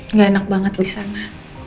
nggak enak banget di sana